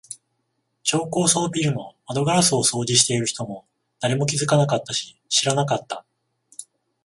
超高層ビルの窓ガラスを掃除している人も、誰も気づかなかったし、知らなかった。